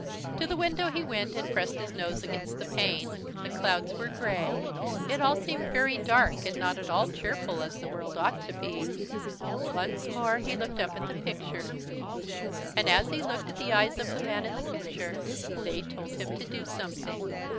To the window he went, and pressed his nose against the pane. The clouds were grey. It all seemed very dark and not at all cheerful as the world ought to be. Once more he looked up at the picture. And as he looked at the eyes of the man in the picture, they told him to do something.